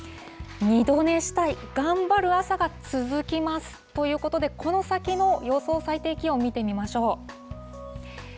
２度寝したい、がんばる朝が、つづきますということで、この先の予想最低気温、見てみましょう。